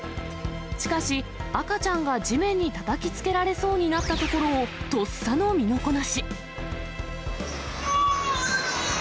しかし、赤ちゃんが地面にたたきつけられそうになったところを、とっさの身のこなし。